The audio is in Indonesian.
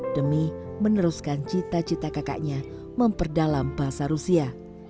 demi meneruskan cita cita kakaknya memperdalam bahasa rusia